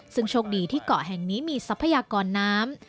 ซึ่งโชคดีที่เกาะแห่งนี้มีทรัพยากรน้ำ